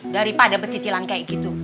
daripada bercicilan kayak gitu